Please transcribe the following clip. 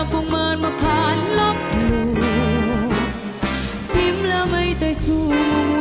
สิ่งเมืองไทยแล้วใครอยู่ได้